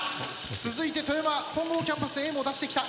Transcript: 続いて富山本郷キャンパスＡも出してきた。